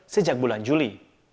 sejak bulan juli